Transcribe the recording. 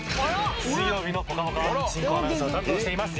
水曜日の『ぽかぽか』進行アナウンスを担当しています